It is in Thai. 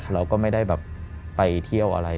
เราก็ไม่ได้แบบไปเที่ยวอะไร